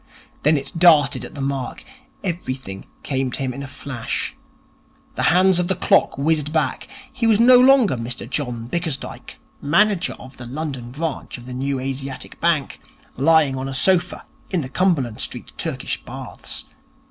Then it darted at the mark. Everything came to him in a flash. The hands of the clock whizzed back. He was no longer Mr John Bickersdyke, manager of the London branch of the New Asiatic Bank, lying on a sofa in the Cumberland Street Turkish Baths.